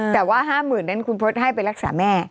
แต่ว่า๕๐๐๐นั้นคุณพศให้ไปรักษาแม่